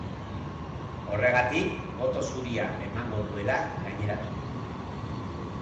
Horregatik, boto zuria emango duela gaineratu du.